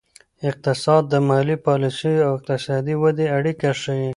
اقتصاد د مالي پالیسیو او اقتصادي ودې اړیکه ښيي.